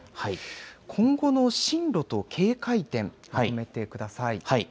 今後の進路と警戒点まとめてください。